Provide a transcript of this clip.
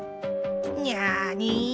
にゃに？